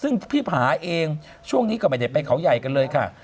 ซึ่งพี่ผาเองช่วงนี้ก็ไม่ได้ไปเขาใหญ่กันเลยค่ะ